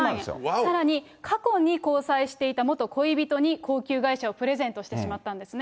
さらに過去に交際していた元恋人に高級外車をプレゼントしてしまったんですね。